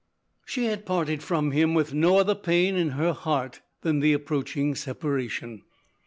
She had parted from him with no other pain in her heart than the approaching separation.